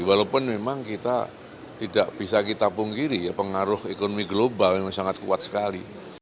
walaupun memang kita tidak bisa kita pungkiri ya pengaruh ekonomi global memang sangat kuat sekali